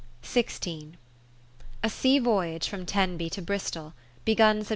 40 A Sea Voyage from Tenby to Bristol, begun Sept.